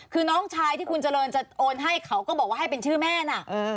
คือน้องชายที่คุณเจริญจะโอนให้เขาก็บอกว่าให้เป็นชื่อแม่นะ